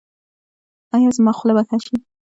ایا زما خوله به ښه شي؟